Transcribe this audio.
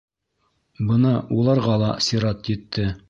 Бына уларға ла сират етте.